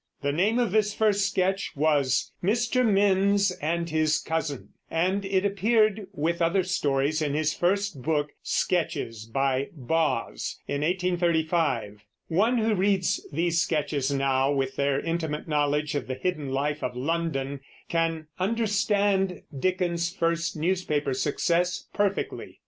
The name of this first sketch was "Mr. Minns and his Cousin," and it appeared with other stories in his first book, Sketches by Boz, in 1835. One who reads these sketches now, with their intimate knowledge of the hidden life of London, can understand Dickens's first newspaper success perfectly.